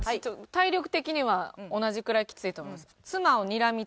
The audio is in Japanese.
体力的には同じくらいきついと思います。